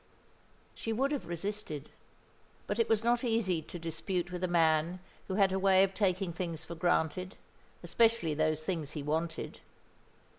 She would have resisted; but it was not easy to dispute with a man who had a way of taking things for granted, especially those things he wanted.